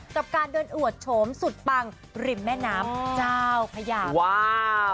กับการเดินอวดโฉมสุดปังริมแม่น้ำเจ้าพญาว้าว